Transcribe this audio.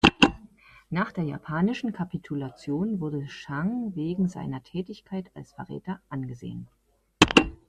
Nach der japanischen Kapitulation wurde Zhang wegen seiner Tätigkeit als Verräter angesehen.